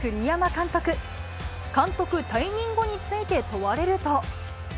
監督退任後について問われると。